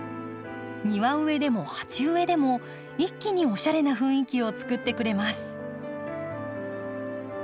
庭植えでも鉢植えでも一気におしゃれな雰囲気を作ってくれます。